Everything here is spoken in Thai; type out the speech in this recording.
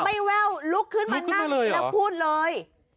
แว่วลุกขึ้นมานั่งแล้วพูดเลย